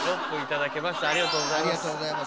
ありがとうございます。